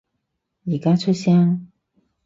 而家出聲